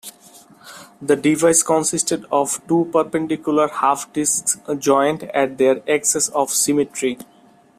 The device consisted of two perpendicular half discs joined at their axes of symmetry.